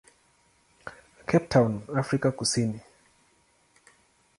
Cape Town, Afrika Kusini.